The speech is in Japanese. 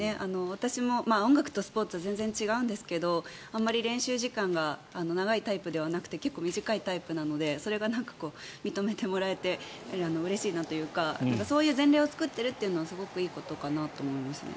私も音楽とスポーツは全然違うんですがあまり練習時間が長いタイプではなくて結構短いタイプなのでそれが認めてもらえてうれしいなというかそういう前例を作っているのがすごくいいことかなと思います。